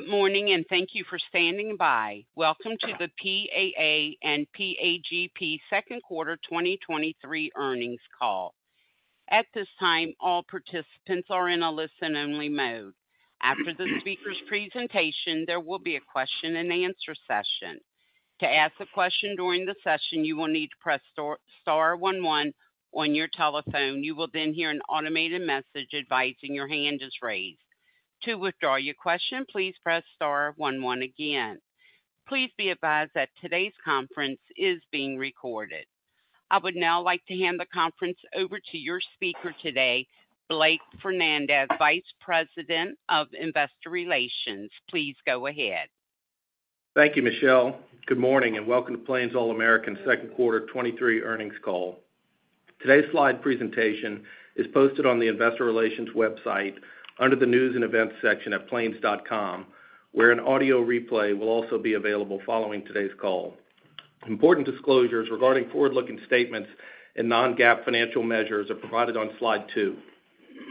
Good morning, and thank you for standing by. Welcome to the PAA and PAGP Second Quarter 2023 Earnings Call. At this time, all participants are in a listen-only mode. After the speaker's presentation, there will be a question-and-answer session. To ask a question during the session, you will need to press star star one one on your telephone. You will hear an automated message advising your hand is raised. To withdraw your question, please press star one one again. Please be advised that today's conference is being recorded. I would now like to hand the conference over to your speaker today, Blake Fernandez, Vice President of Investor Relations. Please go ahead. Thank you, Michelle. Good morning, welcome to Plains All American second quarter 2023 earnings call. Today's slide presentation is posted on the investor relations website under the News and Events section at plains.com, where an audio replay will also be available following today's call. Important disclosures regarding forward-looking statements and Non-GAAP financial measures are provided on Slide two.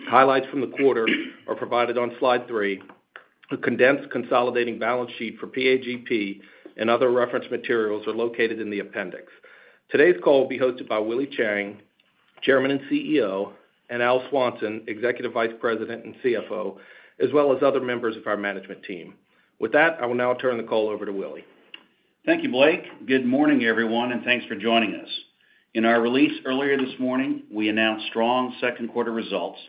Highlights from the quarter are provided on Slide three. A condensed consolidating balance sheet for PAGP and other reference materials are located in the appendix. Today's call will be hosted by Willie Chiang, Chairman and CEO, and Al Swanson, Executive Vice President and CFO, as well as other members of our management team. With that, I will now turn the call over to Willie. Thank you, Blake. Good morning, everyone, and thanks for joining us. In our release earlier this morning, we announced strong second-quarter results,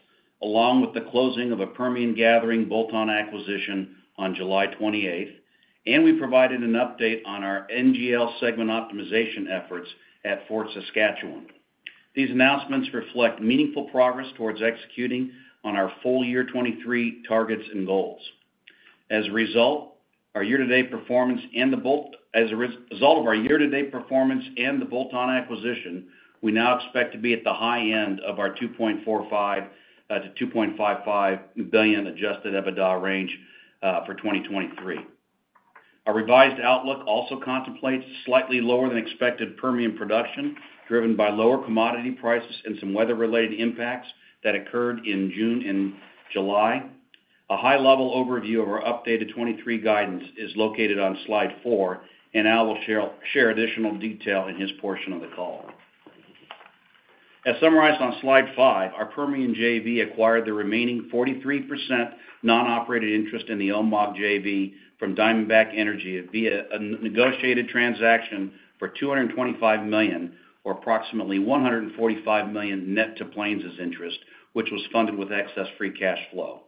along with the closing of a Permian gathering bolt-on acquisition on July 28, and we provided an update on our NGL segment optimization efforts at Fort Saskatchewan. These announcements reflect meaningful progress towards executing on our full year 2023 targets and goals. As a result, our year-to-date performance and the bolt-on acquisition, we now expect to be at the high end of our $2.45 billion-$2.55 billion adjusted EBITDA range for 2023. Our revised outlook also contemplates slightly lower than expected Permian production, driven by lower commodity prices and some weather-related impacts that occurred in June and July. A high-level overview of our updated 2023 guidance is located on Slide four, and Al will share, share additional detail in his portion of the call. As summarized on Slide five, our Permian JV acquired the remaining 43% non-operated interest in the OMOG JV from Diamondback Energy via a negotiated transaction for $225 million, or approximately $145 million net to Plains's interest, which was funded with excess free cash flow.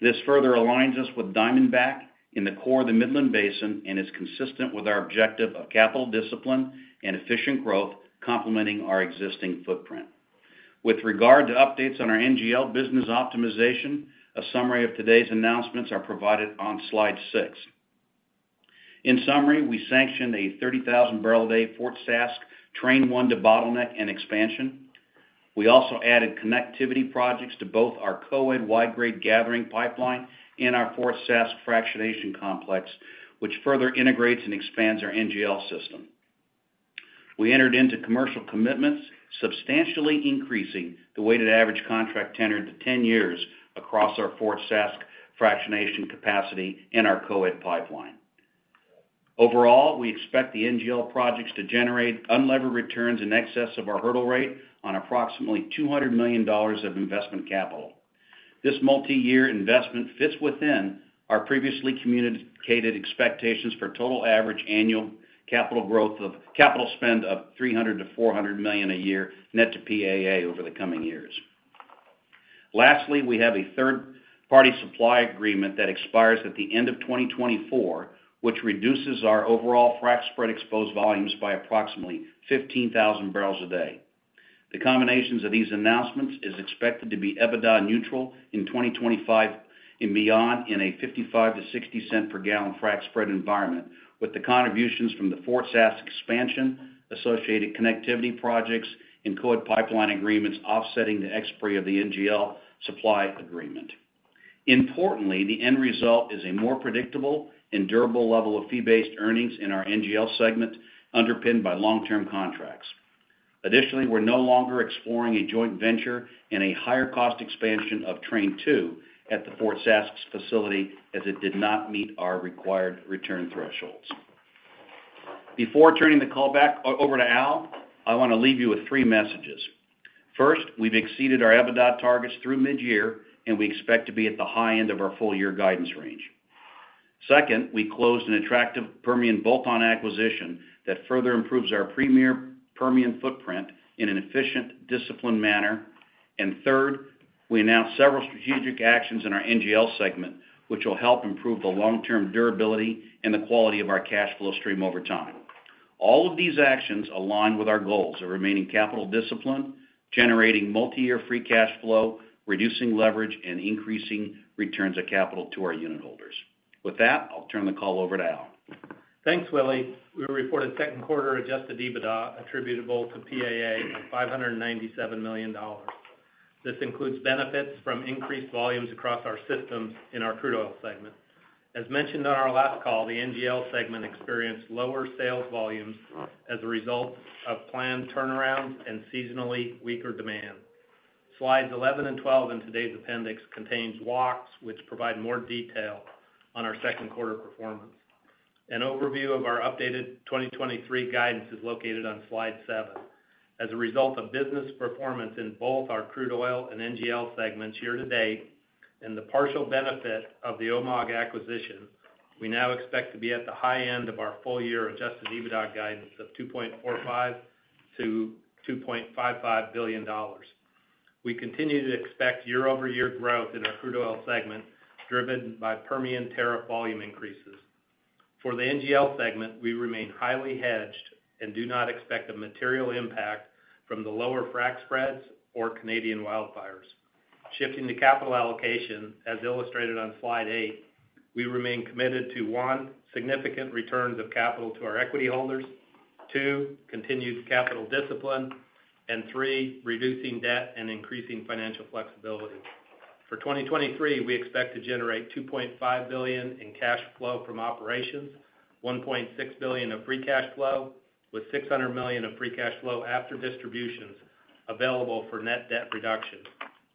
This further aligns us with Diamondback in the core of the Midland Basin and is consistent with our objective of capital discipline and efficient growth, complementing our existing footprint. With regard to updates on our NGL business optimization, a summary of today's announcements are provided on Slide six. In summary, we sanctioned a 30,000 barrel a day Fort Sask Train 1 to bottleneck and expansion. We also added connectivity projects to both our Co-Ed Wide Grade Gathering Pipeline and our Fort Saskatchewan Fractionation Complex, which further integrates and expands our NGL system. We entered into commercial commitments, substantially increasing the weighted average contract tenured to 10 years across our Fort Saskatchewan fractionation capacity and our Co-Ed pipeline. Overall, we expect the NGL projects to generate unlevered returns in excess of our hurdle rate on approximately $200 million of investment capital. This multiyear investment fits within our previously communicated expectations for total average annual capital spend of $300 million-$400 million a year net to PAA over the coming years. Lastly, we have a third-party supply agreement that expires at the end of 2024, which reduces our overall frac spread exposed volumes by approximately 15,000 barrels a day. The combinations of these announcements is expected to be EBITDA neutral in 2025 and beyond in a $0.55-$0.60 per gallon frac spread environment, with the contributions from the Fort Sask expansion, associated connectivity projects and Co-Ed pipeline agreements offsetting the NGL supply agreement. Importantly, the end result is a more predictable and durable level of fee-based earnings in our NGL segment, underpinned by long-term contracts. Additionally, we're no longer exploring a joint venture and a higher cost expansion of Train 2 at the Fort Sask facility as it did not meet our required return thresholds. Before turning the call back over to Al, I want to leave you with three messages. First, we've exceeded our EBITDA targets through mid-year, and we expect to be at the high end of our full-year guidance range. Second, we closed an attractive Permian bolt-on acquisition that further improves our premier Permian footprint in an efficient, disciplined manner. Third, we announced several strategic actions in our NGL segment, which will help improve the long-term durability and the quality of our cash flow stream over time. All of these actions align with our goals of remaining capital discipline, generating multi-year free cash flow, reducing leverage, and increasing returns of capital to our unit holders. With that, I'll turn the call over to Al. Thanks, Willie. We reported second quarter adjusted EBITDA attributable to PAA of $597 million. This includes benefits from increased volumes across our systems in our crude oil segment. As mentioned on our last call, the NGL segment experienced lower sales volumes as a result of planned turnarounds and seasonally weaker demand.... Slides 11 and 12 in today's appendix contains walks, which provide more detail on our second quarter performance. An overview of our updated 2023 guidance is located on slide seven. As a result of business performance in both our crude oil and NGL segments year-to-date, and the partial benefit of the OMOG acquisition, we now expect to be at the high end of our full-year adjusted EBITDA guidance of $2.45 billion-$2.55 billion. We continue to expect year-over-year growth in our crude oil segment, driven by Permian tariff volume increases. For the NGL segment, we remain highly hedged and do not expect a material impact from the lower frac spreads or Canadian wildfires. Shifting to capital allocation, as illustrated on slide eight, we remain committed to, one, significant returns of capital to our equity holders, two, continued capital discipline, and three, reducing debt and increasing financial flexibility. For 2023, we expect to generate $2.5 billion in cash flow from operations, $1.6 billion of free cash flow, with $600 million of free cash flow after distributions available for net debt reduction,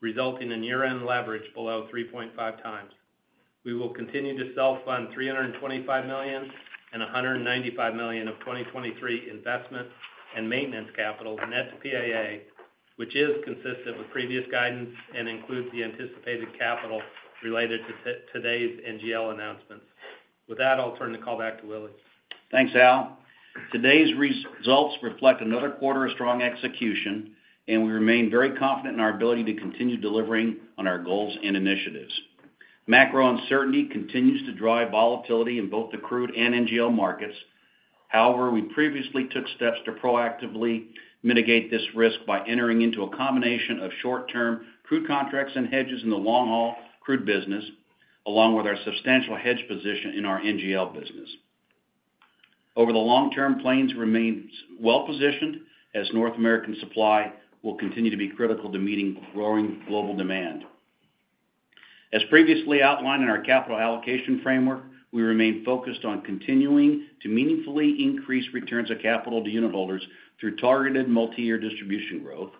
resulting in year-end leverage below 3.5 times. We will continue to self-fund $325 million and $195 million of 2023 investment and maintenance capital, net PAA, which is consistent with previous guidance and includes the anticipated capital related to today's NGL announcements. With that, I'll turn the call back to Willie. Thanks, Al. Today's results reflect another quarter of strong execution, and we remain very confident in our ability to continue delivering on our goals and initiatives. Macro uncertainty continues to drive volatility in both the crude and NGL markets. However, we previously took steps to proactively mitigate this risk by entering into a combination of short-term crude contracts and hedges in the long-haul crude business, along with our substantial hedge position in our NGL business. Over the long term, Plains remains well-positioned as North American supply will continue to be critical to meeting growing global demand. As previously outlined in our capital allocation framework, we remain focused on continuing to meaningfully increase returns of capital to unitholders through targeted multi-year distribution growth.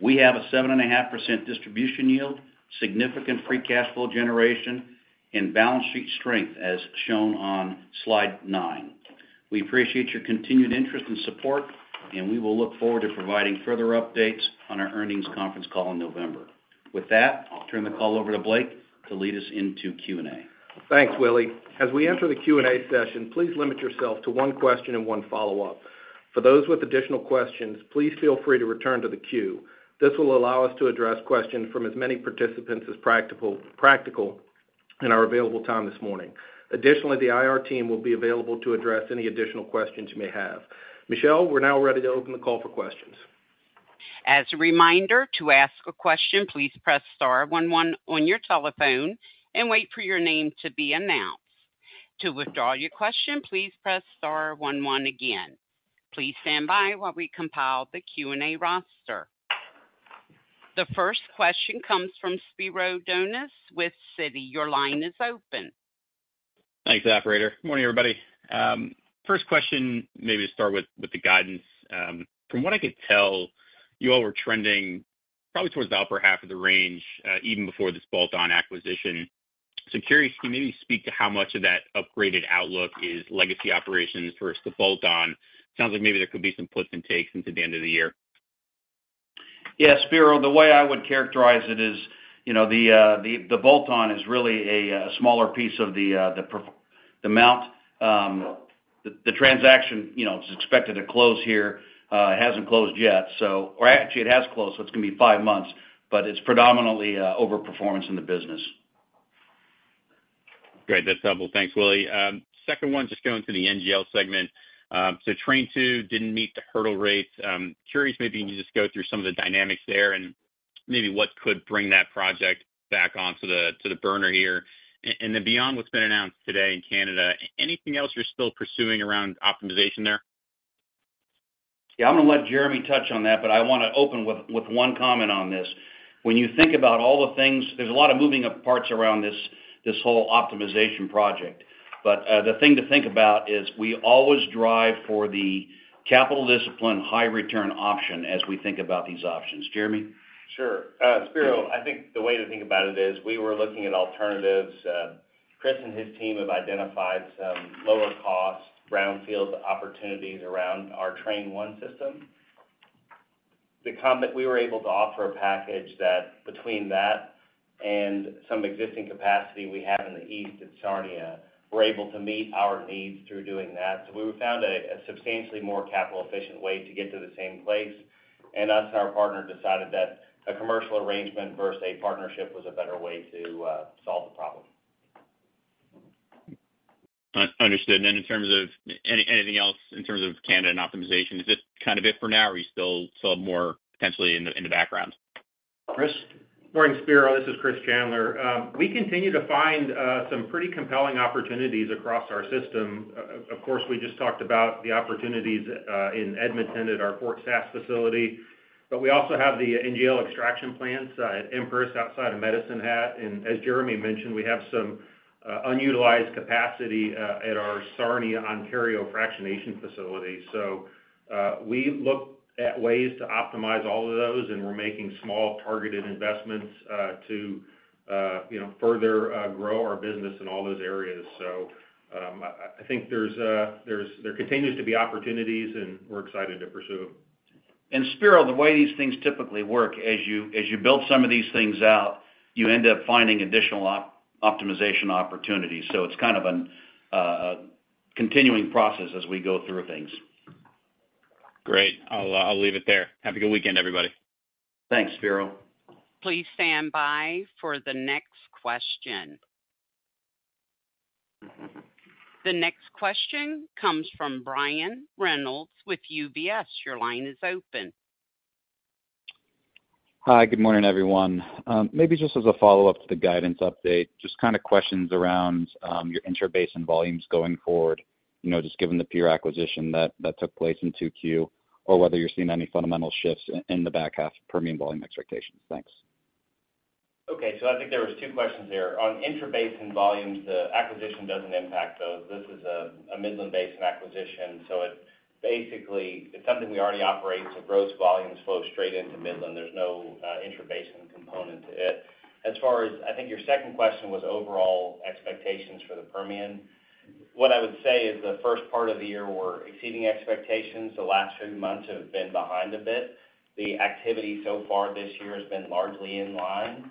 We have a 7.5% distribution yield, significant free cash flow generation, and balance sheet strength, as shown on slide 9. We appreciate your continued interest and support, and we will look forward to providing further updates on our earnings conference call in November. With that, I'll turn the call over to Blake to lead us into Q&A. Thanks, Willie. As we enter the Q&A session, please limit yourself to one question and one follow-up. For those with additional questions, please feel free to return to the queue. This will allow us to address questions from as many participants as practical in our available time this morning. Additionally, the IR team will be available to address any additional questions you may have. Michelle, we're now ready to open the call for questions. As a reminder, to ask a question, please press star one one on your telephone and wait for your name to be announced. To withdraw your question, please press star one one again. Please stand by while we compile the Q&A roster. The first question comes from Spiro Dounis with Citi. Your line is open. Thanks, operator. Good morning, everybody. First question, maybe to start with, with the guidance. From what I could tell, you all were trending probably towards the upper half of the range, even before this bolt-on acquisition. Curious, can you maybe speak to how much of that upgraded outlook is legacy operations versus the bolt-on? Sounds like maybe there could be some puts and takes into the end of the year. Yeah, Spiro, the way I would characterize it is, you know, the, the bolt-on is really a, smaller piece of the, the amount. The, the transaction, you know, is expected to close here, it hasn't closed yet, or actually, it has closed, so it's going to be five months, but it's predominantly, overperformance in the business. Great. That's helpful. Thanks, Willie. second one, just going to the NGL segment. Train 2 didn't meet the hurdle rates. curious, maybe you can just go through some of the dynamics there and maybe what could bring that project back onto the, to the burner here. Then beyond what's been announced today in Canada, anything else you're still pursuing around optimization there? Yeah, I'm going to let Jeremy touch on that, but I want to open with, with one comment on this. When you think about all the things, there's a lot of moving of parts around this, this whole optimization project. The thing to think about is we always drive for the capital discipline, high return option as we think about these options. Jeremy? Sure. Spiro, I think the way to think about it is we were looking at alternatives. Chris and his team have identified some lower cost brownfield opportunities around our Train 1 system. We were able to offer a package that between that and some existing capacity we have in the east at Sarnia, we're able to meet our needs through doing that. We found a substantially more capital-efficient way to get to the same place, and us and our partner decided that a commercial arrangement versus a partnership was a better way to solve the problem. Understood. Anything else in terms of Canada and optimization? Is this kind of it for now, or are you still more potentially in the background? Chris? Morning, Spiro, this is Chris Chandler. We continue to find some pretty compelling opportunities across our system. Of course, we just talked about the opportunities in Edmonton at our Fort Saskatchewan facility, but we also have the NGL extraction plants at Empress outside of Medicine Hat. As Jeremy mentioned, we have some.... unutilized capacity, at our Sarnia, Ontario fractionation facility. We look at ways to optimize all of those, and we're making small, targeted investments, to, you know, further, grow our business in all those areas. I, I think there's, there continues to be opportunities, and we're excited to pursue. Spiro, the way these things typically work, as you build some of these things out, you end up finding additional optimization opportunities. It's kind of a continuing process as we go through things. Great. I'll leave it there. Have a good weekend, everybody. Thanks, Spiro. Please stand by for the next question. The next question comes from Brian Reynolds with UBS. Your line is open. Hi, good morning, everyone. Maybe just as a follow-up to the guidance update, just kind of questions around your intrabasin volumes going forward, you know, just given the pure acquisition that, that took place in 2Q, or whether you're seeing any fundamental shifts in, in the back half of Permian volume expectations. Thanks. Okay, I think there was two questions there. On intrabasin volumes, the acquisition doesn't impact those. This is a Midland-based acquisition, so it basically, it's something we already operate, so gross volumes flow straight into Midland. There's no intrabasin component to it. As far as... I think your second question was overall expectations for the Permian. What I would say is, the first part of the year, we're exceeding expectations. The last few months have been behind a bit. The activity so far this year has been largely in line.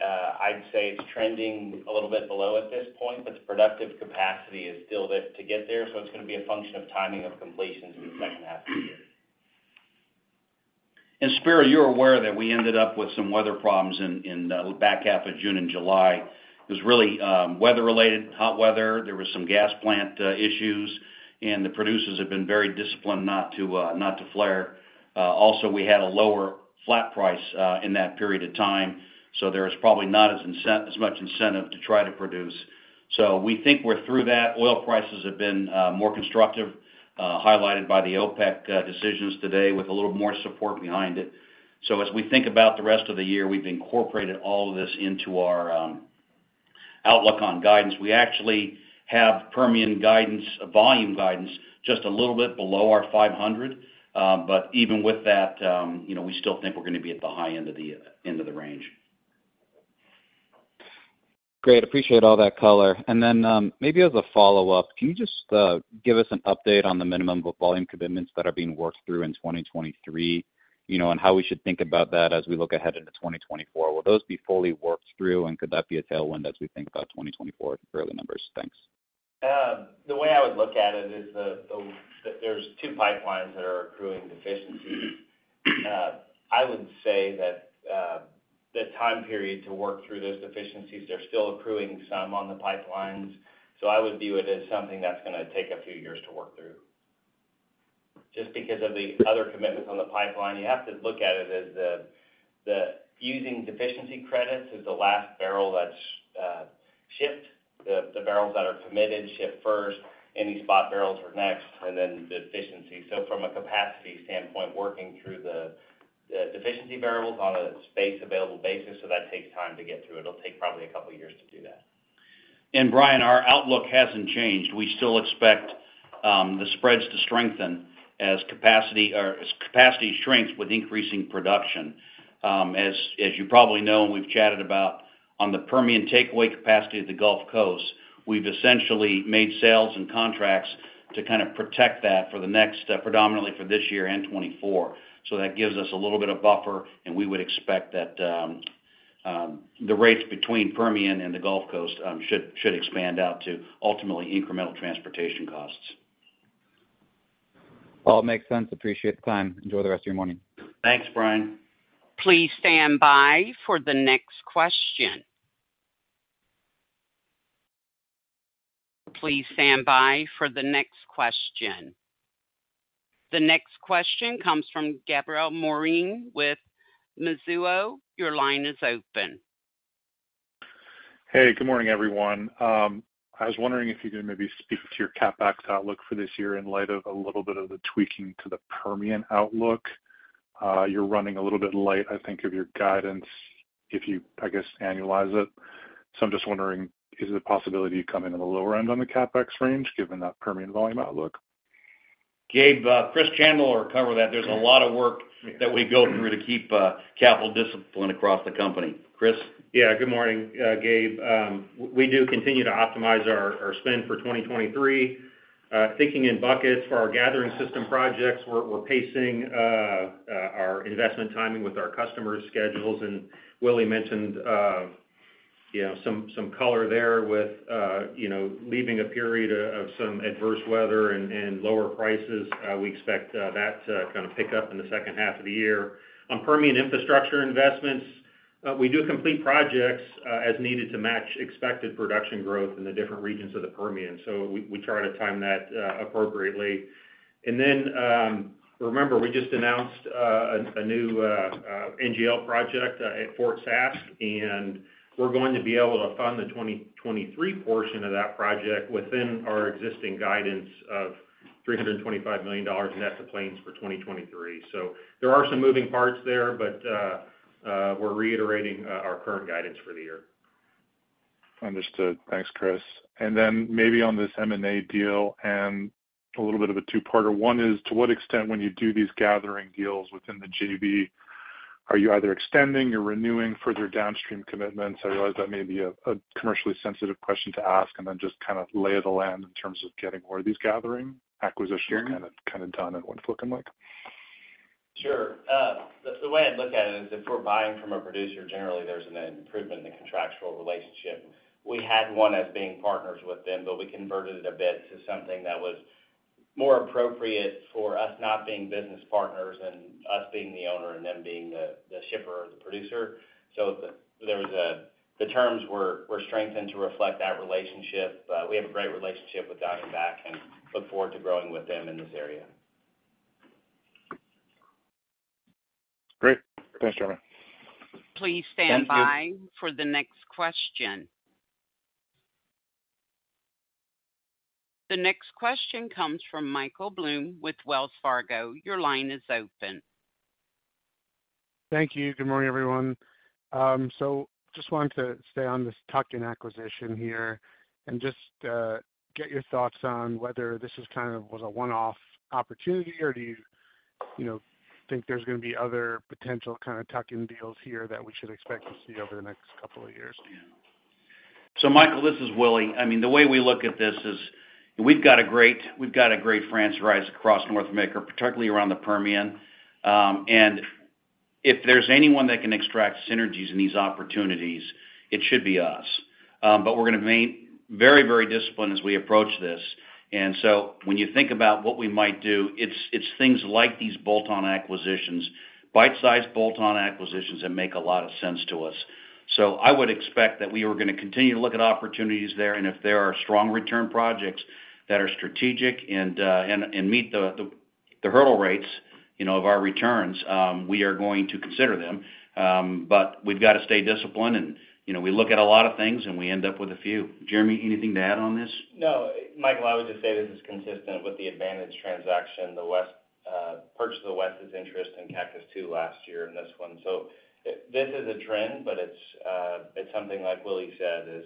I'd say it's trending a little bit below at this point, but the productive capacity is still there to get there, so it's gonna be a function of timing of completions in the second half of the year. Spiro, you're aware that we ended up with some weather problems in, in the back half of June and July. It was really weather-related, hot weather. There was some gas plant issues, and the producers have been very disciplined not to not to flare. Also, we had a lower flat price in that period of time, so there was probably not as incent- as much incentive to try to produce. We think we're through that. Oil prices have been more constructive, highlighted by the OPEC decisions today with a little more support behind it. As we think about the rest of the year, we've incorporated all of this into our outlook on guidance. We actually have Permian guidance, volume guidance, just a little bit below our 500. Even with that, you know, we still think we're gonna be at the high end of the, end of the range. Great. Appreciate all that color. Maybe as a follow-up, can you just give us an update on the minimum volume commitments that are being worked through in 2023? You know, and how we should think about that as we look ahead into 2024. Will those be fully worked through, and could that be a tailwind as we think about 2024 for early numbers? Thanks. The way I would look at it is there's two pipelines that are accruing deficiencies. I would say that the time period to work through those deficiencies, they're still accruing some on the pipelines, so I would view it as something that's going to take a few years to work through. Just because of the other commitments on the pipeline, you have to look at it as using deficiency credits is the last barrel that's shipped. The barrels that are committed ship first, any spot barrels are next, and then the deficiency. From a capacity standpoint, working through the deficiency barrels on a space available basis, that takes time to get through. It'll take probably a couple of years to do that. Brian, our outlook hasn't changed. We still expect the spreads to strengthen as capacity, or as capacity shrinks with increasing production. As you probably know, and we've chatted about on the Permian takeaway capacity of the Gulf Coast, we've essentially made sales and contracts to kind of protect that for the next predominantly for this year and 2024. That gives us a little bit of buffer, and we would expect that the rates between Permian and the Gulf Coast should expand out to ultimately incremental transportation costs. All makes sense. Appreciate the time. Enjoy the rest of your morning. Thanks, Brian. Please stand by for the next question. Please stand by for the next question. The next question comes from Gabriel Moreen with Mizuho. Your line is open. Hey, good morning, everyone. I was wondering if you could maybe speak to your CapEx outlook for this year in light of a little bit of the tweaking to the Permian outlook. You're running a little bit light, I think, of your guidance, if you annualize it. I'm just wondering, is it a possibility you come in on the lower end on the CapEx range given that Permian volume outlook? Gabe, Chris Chandler will cover that. There's a lot of work that we go through to keep capital discipline across the company. Chris? Yeah, good morning, Gabe. We do continue to optimize our, our spend for 2023. Thinking in buckets for our gathering system projects, we're, we're pacing our investment timing with our customers' schedules. Willie mentioned, you know, some, some color there with, you know, leaving a period of, of some adverse weather and, and lower prices. We expect that to kind of pick up in the second half of the year. On Permian infrastructure investments, we do complete projects as needed to match expected production growth in the different regions of the Permian, so we, we try to time that appropriately. Remember, we just announced a new NGL project at Fort Sask, and we're going to be able to fund the 2023 portion of that project within our existing guidance $325 million net of Plains for 2023. There are some moving parts there, we're reiterating our current guidance for the year. Understood. Thanks, Chris. Then maybe on this M&A deal, and a little bit of a two-parter. One is, to what extent, when you do these gathering deals within the JV, are you either extending or renewing further downstream commitments? I realize that may be a commercially sensitive question to ask, then just kind of lay of the land in terms of getting more of these gathering acquisitions... Sure. kind of, kind of done and what it's looking like. Sure. The way I look at it is, if we're buying from a producer, generally there's an improvement in the contractual relationship. We had one as being partners with them, but we converted it a bit to something that was more appropriate for us not being business partners and us being the owner and them being the, the shipper or the producer. There was the terms were, were strengthened to reflect that relationship. We have a great relationship with Diamondback and look forward to growing with them in this area. Great. Thanks, Jeremy. Please stand by- Thank you. -for the next question. The next question comes from Michael Blum with Wells Fargo. Your line is open. Thank you. Good morning, everyone. Just wanted to stay on this tuck-in acquisition here and just get your thoughts on whether this is kind of was a one-off opportunity, or do you, you know, think there's gonna be other potential kind of tuck-in deals here that we should expect to see over the next couple of years? Michael, this is Willie. I mean, the way we look at this is, we've got a great, we've got a great franchise across North America, particularly around the Permian. If there's anyone that can extract synergies in these opportunities, it should be us. We're gonna remain very, very disciplined as we approach this. When you think about what we might do, it's, it's things like these bolt-on acquisitions, bite-sized bolt-on acquisitions, that make a lot of sense to us. I would expect that we are gonna continue to look at opportunities there, and if there are strong return projects that are strategic and, and, meet the, the, the hurdle rates, you know, of our returns, we are going to consider them. We've got to stay disciplined, and, you know, we look at a lot of things, and we end up with a few. Jeremy, anything to add on this? No. Michael, I would just say this is consistent with the Advantage transaction, WES, purchase of WES's interest in Cactus II last year and this one. This is a trend, but it's something, like Willie said, is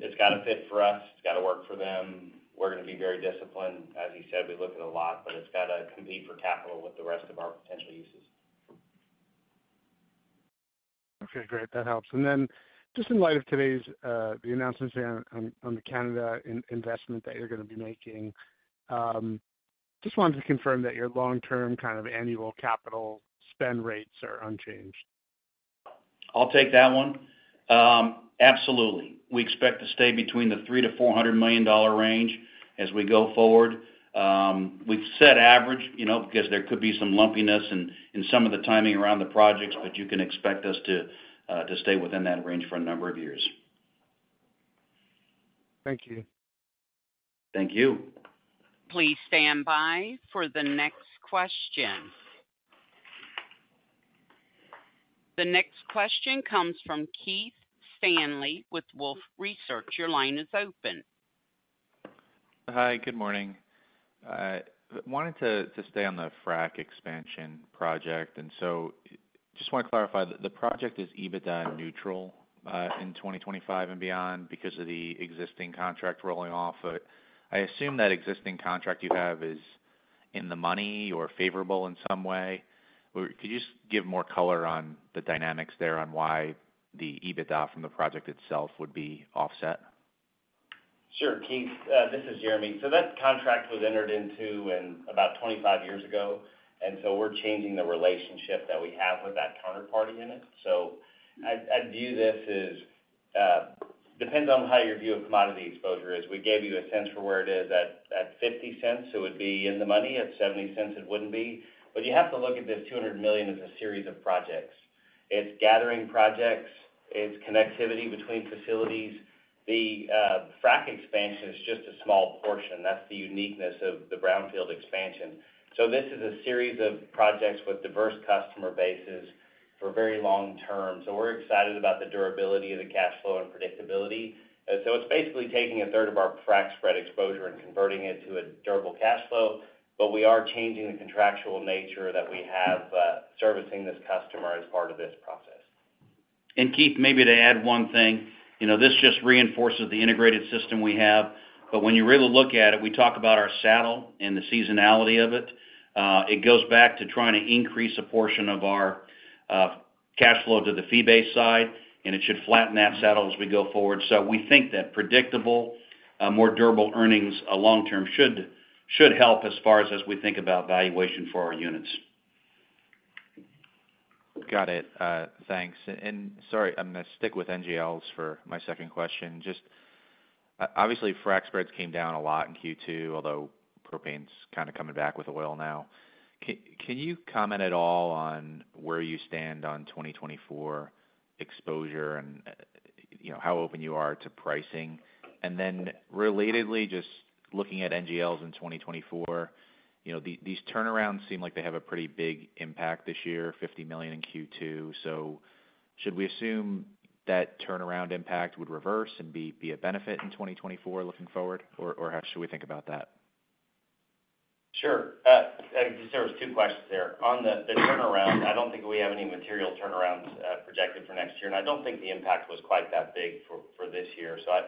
it's got to fit for us, it's got to work for them. We're gonna be very disciplined. As he said, we look at a lot, but it's got to compete for capital with the rest of our potential uses. Okay, great. That helps. Then, just in light of today's, the announcements on the Canada investment that you're gonna be making, just wanted to confirm that your long-term kind of annual capital spend rates are unchanged. I'll take that one. Absolutely. We expect to stay between the $300 million-$400 million range as we go forward. We've set average, you know, because there could be some lumpiness in, in some of the timing around the projects, but you can expect us to stay within that range for a number of years. Thank you. Thank you. Please stand by for the next question. The next question comes from Keith Stanley with Wolfe Research. Your line is open. Hi, good morning. I wanted to, to stay on the frac expansion project, and so just want to clarify, the project is EBITDA neutral in 2025 and beyond because of the existing contract rolling off. I assume that existing contract you have is in the money or favorable in some way. Could you just give more color on the dynamics there on why the EBITDA from the project itself would be offset? Sure, Keith, this is Jeremy. That contract was entered into in about 25 years ago, and so we're changing the relationship that we have with that counterparty in it. I'd, I'd view this as, depends on how your view of commodity exposure is. We gave you a sense for where it is. At, at $0.50, it would be in the money, at $0.70, it wouldn't be. You have to look at this $200 million as a series of projects. It's gathering projects, it's connectivity between facilities. The frac expansion is just a small portion. That's the uniqueness of the brownfield expansion. This is a series of projects with diverse customer bases for very long term. We're excited about the durability of the cash flow and predictability. It's basically taking one-third of our frac spread exposure and converting it to a durable cash flow. We are changing the contractual nature that we have servicing this customer as part of this process. Keith, maybe to add one thing, you know, this just reinforces the integrated system we have. When you really look at it, we talk about our saddle and the seasonality of it. It goes back to trying to increase a portion of our cash flow to the fee-based side, and it should flatten that saddle as we go forward. We think that predictable, more durable earnings, long-term should, should help as far as, as we think about valuation for our units. Got it. Thanks. Sorry, I'm gonna stick with NGLs for my second question. Just, obviously, frac spreads came down a lot in Q2, although propane's kind of coming back with oil now. Can you comment at all on where you stand on 2024 exposure and, you know, how open you are to pricing? Relatedly, just looking at NGLs in 2024, you know, these turnarounds seem like they have a pretty big impact this year, $50 million in Q2. Should we assume that turnaround impact would reverse and be a benefit in 2024 looking forward? Or how should we think about that? Sure. There was two questions there. On the, the turnaround, I don't think we have any material turnarounds projected for next year, and I don't think the impact was quite that big for, for this year. I,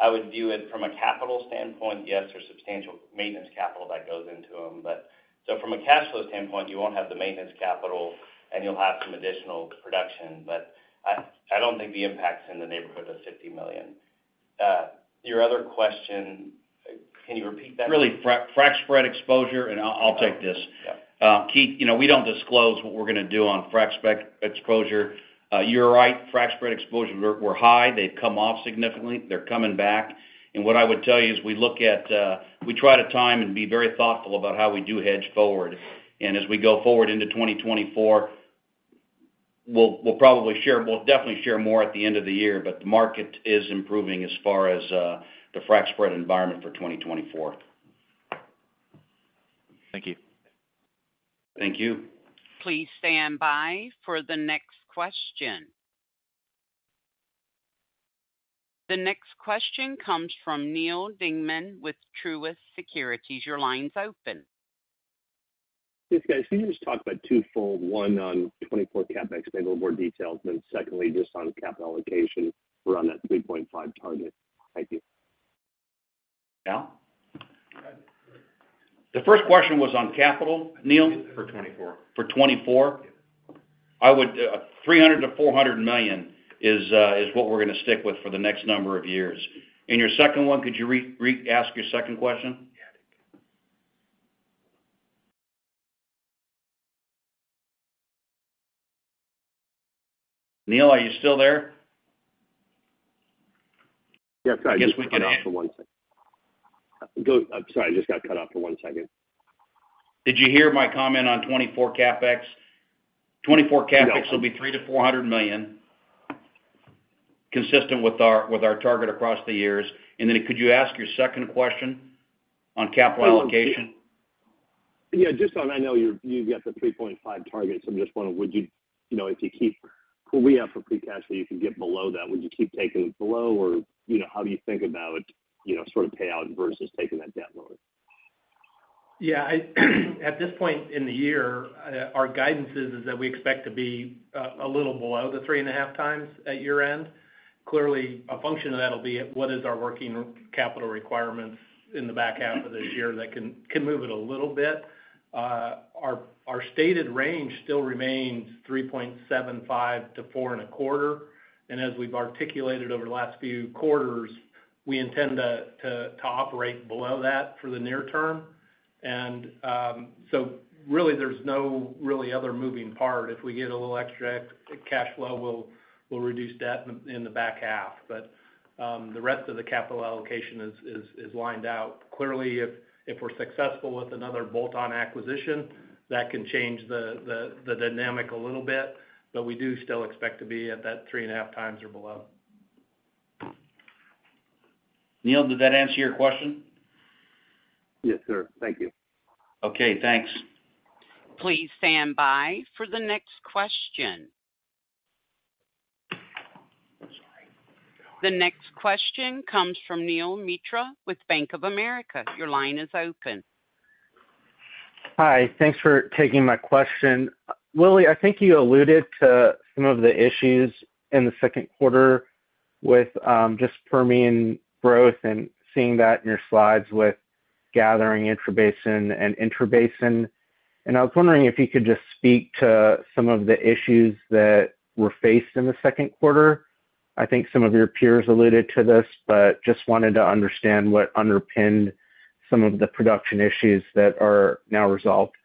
I would view it from a capital standpoint, yes, there's substantial maintenance capital that goes into them. From a cash flow standpoint, you won't have the maintenance capital, and you'll have some additional production, but I, I don't think the impact's in the neighborhood of $50 million. Your other question, can you repeat that? Really, frac spread exposure, and I'll take this. Yeah. Keith, you know, we don't disclose what we're going to do on frac spread exposure. You're right, frac spread exposure were high. They've come off significantly. They're coming back. What I would tell you is we look at, we try to time and be very thoughtful about how we do hedge forward. As we go forward into 2024, we'll probably share-- we'll definitely share more at the end of the year, but the market is improving as far as the frac spread environment for 2024. Thank you. Thank you. Please stand by for the next question. The next question comes from Neal Dingman with Truist Securities. Your line's open. Yes, guys. Can you just talk about twofold, one on 2024 CapEx, maybe a little more details, and then secondly, just on capital allocation, we're on that 3.5 target. Thank you. Now? The first question was on capital, Neal? For 2024. For 2024? Yes. I would, $300 million-$400 million is, is what we're going to stick with for the next number of years. Your second one, could you re-re-ask your second question? Yeah. Neal, are you still there? Yes, I just got cut off for one second. I guess we can end. I'm sorry, I just got cut off for one second. Did you hear my comment on 2024 CapEx? 2024 CapEx. Yeah. will be $300 million-$400 million, consistent with our target across the years. Then could you ask your second question on capital allocation? Yeah, just I know you've got the 3.5 target, so I'm just wondering, would you, you know, if you keep where we are for free cash flow, you can get below that? Would you keep taking it below or, you know, how do you think about, you know, sort of payout versus taking that debt load? Yeah, at this point in the year, our guidance is, is that we expect to be a little below the 3.5x at year-end. Clearly, a function of that will be at what is our working capital requirements in the back half of this year that can, can move it a little bit. Our, our stated range still remains 3.75 to 4.25. As we've articulated over the last few quarters, we intend to operate below that for the near term. So really, there's no really other moving part. If we get a little extra cash flow, we'll, we'll reduce debt in, in the back half. The rest of the capital allocation is, is, is lined out. Clearly, if, if we're successful with another bolt-on acquisition, that can change the, the, the dynamic a little bit, but we do still expect to be at that 3.5x or below. Neal, did that answer your question? Yes, sir. Thank you. Okay, thanks. Please stand by for the next question. The next question comes from Neel Mitra with Bank of America. Your line is open. Hi, thanks for taking my question. Willie, I think you alluded to some of the issues in the second quarter with, just Permian growth and seeing that in your slides with gathering intrabasin and intrabasin. I was wondering if you could just speak to some of the issues that were faced in the second quarter. I think some of your peers alluded to this, just wanted to understand what underpinned some of the production issues that are now resolved.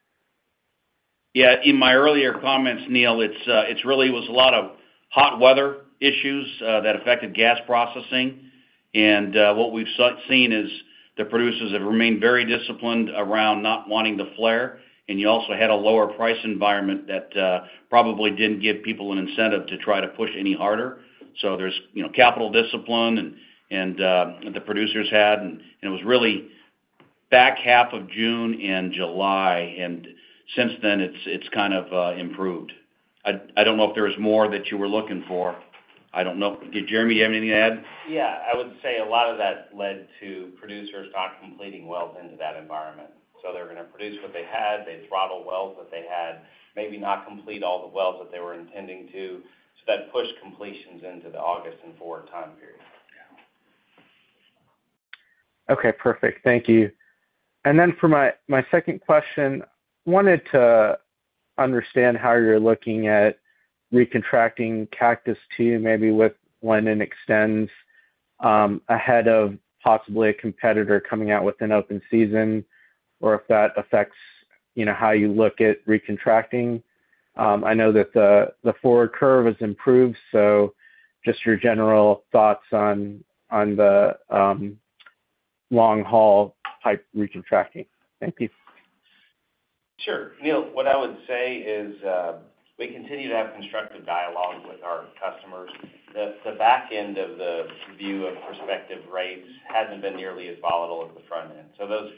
Yeah, in my earlier comments, Neel, it's, it's really was a lot of hot weather issues that affected gas processing. What we've seen is the producers have remained very disciplined around not wanting to flare, and you also had a lower price environment that probably didn't give people an incentive to try to push any harder. There's, you know, capital discipline and, and the producers had, and it was really back half of June and July, and since then, it's, it's kind of improved. I, I don't know if there was more that you were looking for. I don't know. Did Jeremy have anything to add? Yeah, I would say a lot of that led to producers not completing wells into that environment. They're going to produce what they had, they throttle wells that they had, maybe not complete all the wells that they were intending to. That pushed completions into the August and forward time period. Yeah. Okay, perfect. Thank you. Then for my, my second question, wanted to understand how you're looking at recontracting Cactus II, maybe with when it extends, ahead of possibly a competitor coming out with an open season, or if that affects, you know, how you look at recontracting. I know that the, the forward curve has improved, so just your general thoughts on, on the, long haul type recontracting. Thank you. Sure, Neel, what I would say is, we continue to have constructive dialogue with our customers. The back end of the view of prospective rates hasn't been nearly as volatile as the front end. Those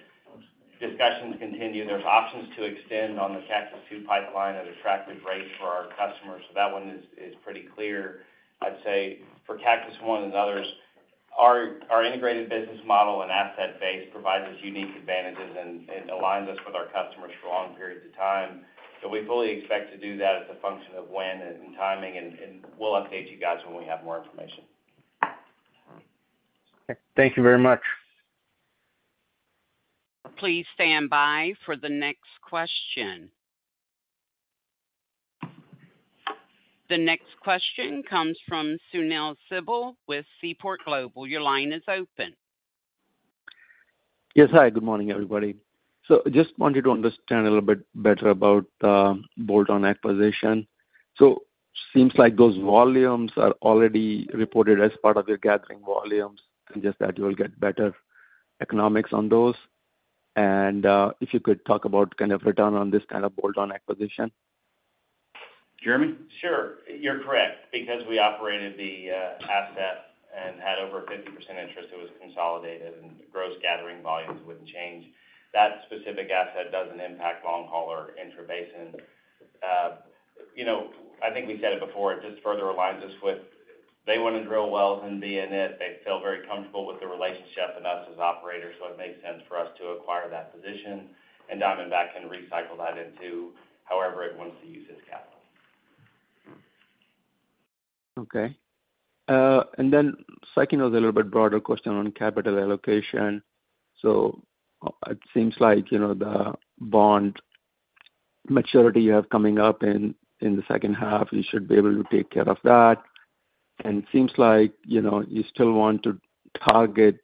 discussions continue. There's options to extend on the Cactus Two Pipeline at attractive rates for our customers. That one is pretty clear. I'd say for Cactus One Pipeline and others, our integrated business model and asset base provides us unique advantages and aligns us with our customers for long periods of time. We fully expect to do that as a function of when and timing, and we'll update you guys when we have more information. Thank you very much. Please stand by for the next question. The next question comes from Sunil Sibal with Seaport Global. Your line is open. Yes. Hi, good morning, everybody. Just wanted to understand a little bit better about bolt-on acquisition. Seems like those volumes are already reported as part of your gathering volumes, and just that you will get better economics on those. If you could talk about kind of return on this kind of bolt-on acquisition. Jeremy? Sure. You're correct, because we operated the asset and had over a 50% interest, it was consolidated and gross gathering volumes wouldn't change. That specific asset doesn't impact long haul or intrabasin. You know, I think we said it before, it just further aligns us with... They want to drill wells and be in it. They feel very comfortable with the relationship and us as operators, so it makes sense for us to acquire that position, and Diamondback can recycle that into however it wants to use its capital. Okay. Second, was a little bit broader question on capital allocation. It seems like, you know, the bond maturity you have coming up in, in the second half, you should be able to take care of that. It seems like, you know, you still want to target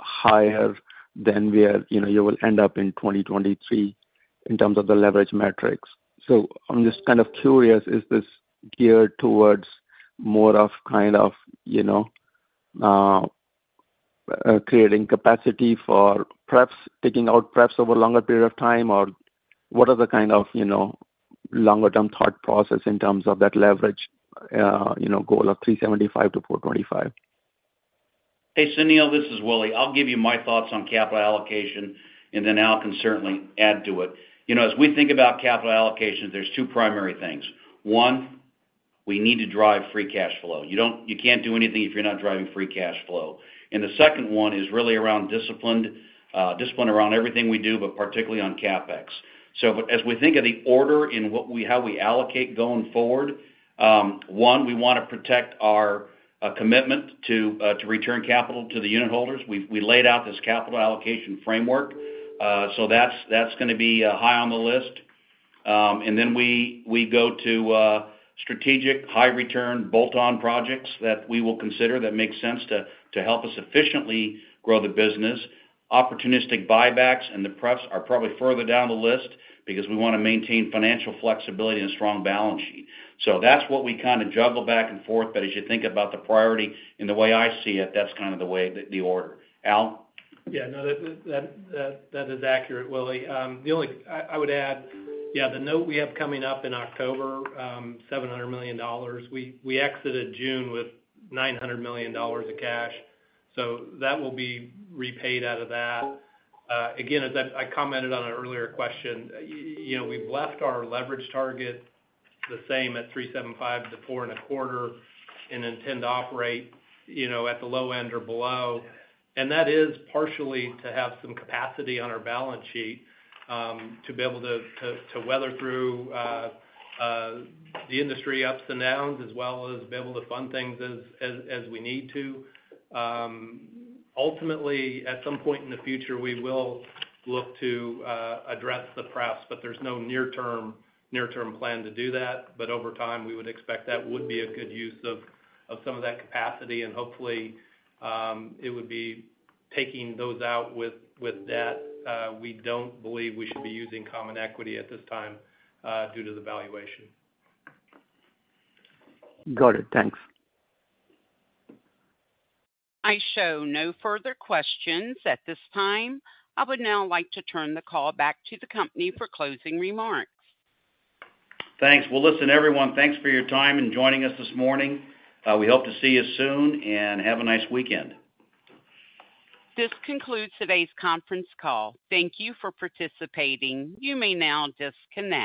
higher than where, you know, you will end up in 2023 in terms of the leverage metrics. I'm just kind of curious, is this geared towards more of, kind of, you know, creating capacity for perhaps taking out, perhaps, over a longer period of time? What are the kind of, you know, longer-term thought process in terms of that leverage, you know, goal of 3.75-4.25? Hey, Sunil, this is Willie. I'll give you my thoughts on capital allocation, and then Al can certainly add to it. You know, as we think about capital allocation, there's two primary things. One, we need to drive free cash flow. You don't-- you can't do anything if you're not driving free cash flow. The second one is really around disciplined, discipline around everything we do, but particularly on CapEx. As we think of the order in what we, how we allocate going forward, one, we want to protect our commitment to to return capital to the unitholders. We, we laid out this capital allocation framework, so that's, that's gonna be high on the list. We, we go to strategic high return bolt-on projects that we will consider that make sense to, to help us efficiently grow the business. Opportunistic buybacks and the rest are probably further down the list because we want to maintain financial flexibility and a strong balance sheet. That's what we kind of juggle back and forth. As you think about the priority and the way I see it, that's kind of the way, the order. Al? Yeah, no, that, that, that, that is accurate, Willie. The only... I, I would add, yeah, the note we have coming up in October, $700 million, we, we exited June with $900 million in cash, so that will be repaid out of that. Again, as I, I commented on an earlier question, you know, we've left our leverage target the same at 3.75-4.25, and intend to operate, you know, at the low end or below. That is partially to have some capacity on our balance sheet, to be able to, to, to weather through the industry ups and downs, as well as be able to fund things as, as, as we need to. Ultimately, at some point in the future, we will look to address the rest, but there's no near-term, near-term plan to do that. Over time, we would expect that would be a good use of some of that capacity, and hopefully, it would be taking those out with debt. We don't believe we should be using common equity at this time, due to the valuation. Got it. Thanks. I show no further questions at this time. I would now like to turn the call back to the company for closing remarks. Thanks. Well, listen, everyone, thanks for your time and joining us this morning. We hope to see you soon, and have a nice weekend. This concludes today's conference call. Thank you for participating. You may now disconnect.